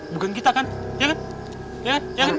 bukan kita kan ya kan